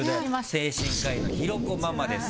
精神科医の広子ママです。